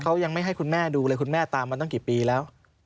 เขายังไม่ให้คุณแม่ดูเลยคุณแม่ตามมาตั้งกี่ปีแล้ว